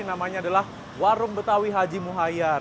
namanya adalah warung betawi haji muhayyar